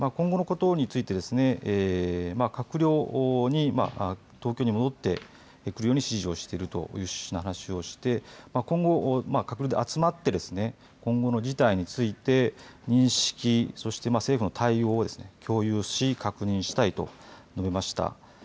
今後のことについてですね閣僚に東京に戻ってくるように指示をしているという趣旨の話をして今後、閣僚で集まって今後の事態について認識そして政府の対応をですね共有し確認したいと述べました。